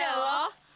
kasian ada loh